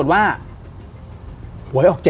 สวัสดีครับ